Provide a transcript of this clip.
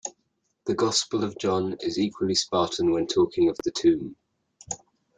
The Gospel of John is equally spartan when talking of the tomb.